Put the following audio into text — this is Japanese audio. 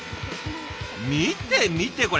見て見てこれ。